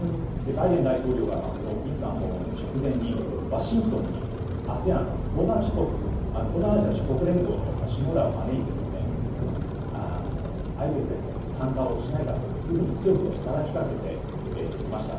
バイデン大統領は日韓訪問の直前にワシントンにＡＳＥＡＮ・東南アジア諸国連合の首脳らを招いてＩＰＥＦへの参加をしないかと強く働きかけていました。